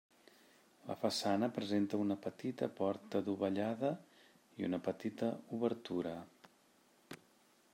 La façana presenta una petita porta dovellada i una petita obertura.